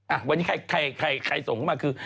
อ่ะวันนี้ใครส่งมาคือ